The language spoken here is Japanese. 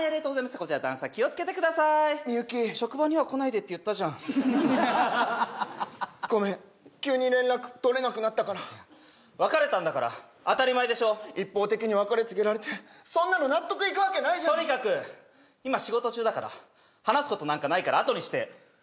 こちら段差気を付けてくださーいみゆき職場には来ないでって言ったじゃんごめん急に連絡取れなくなったから別れたんだから当たり前でしょ一方的に別れ告げられてそんなの納得いくわけないじゃんとにかく今仕事中だから話すことなんかないからあとにして！